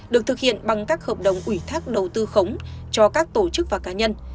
được thực hiện bằng các hợp đồng ủy thác đầu tư khống cho các tổ chức và cá nhân